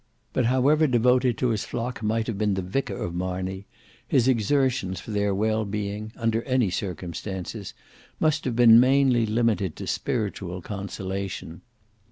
But however devoted to his flock might have been the Vicar of Marney, his exertions for their well being, under any circumstances, must have been mainly limited to spiritual consolation.